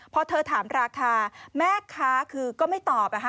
พอเธอถามราคาแม่ค้าคือก็ไม่ตอบ